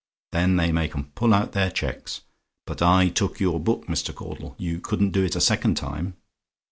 Then they make 'em pull out their cheques. But I took your book, Mr. Caudle you couldn't do it a second time.